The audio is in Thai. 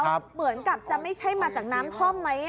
เหมือนกับจะไม่ใช่มาจากน้ำท่อมไหม